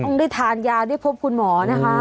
ต้องได้ทานยาได้พบคุณหมอนะคะ